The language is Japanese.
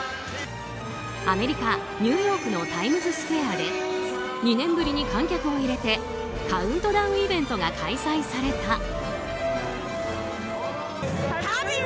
アメリカ・ニューヨークのタイムズスクエアで２年ぶりに観客を入れてカウントダウンイベントが開催された。